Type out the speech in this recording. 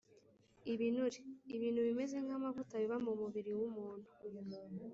ibinure: ibintu bimeze nk’amavuta biba mu mubiri w’umuntu…